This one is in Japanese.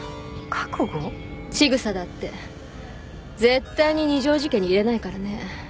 千草だって絶対に二条路家に入れないからね。